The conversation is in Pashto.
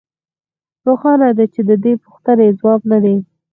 روښانه ده چې د دې پوښتنې ځواب نه دی